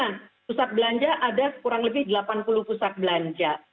nah pusat belanja ada kurang lebih delapan puluh pusat belanja